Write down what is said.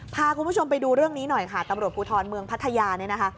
พาคุณผู้ชมไปดูเรื่องนี้หน่อยค่ะตำรวจภูทรเมืองพัทยาเนี่ยนะคะ